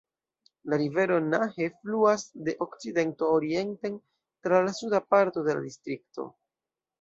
La rivero Nahe fluas de okcidento orienten tra la suda parto de la distrikto.